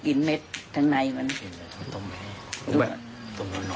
เสียงเม็ดทั้งในก่อน